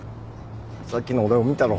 さっきの俺を見たろ